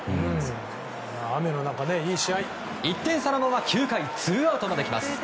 １点差のまま９回ツーアウトまできます。